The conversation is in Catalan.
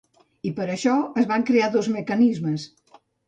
I per a això es van crear dos mecanismes.